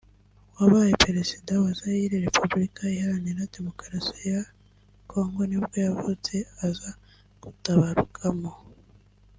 wabaye perezida wa Zaire (Repubulika iharanira Demokarasi ya Kongo) nibwo yavutse aza gutabaruka mu